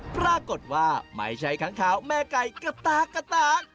ปรากฏว่าไม่ใช่ค้างคาวแม่ไก่กระตาก